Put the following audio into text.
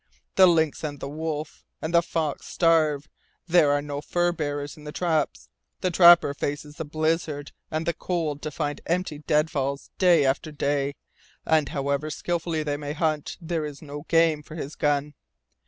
The lynx and the wolf and the fox starve, there are no fur bearers in the traps, the trapper faces the blizzard and the cold to find empty deadfalls day after day, and however skillfully he may hunt there is no game for his gun.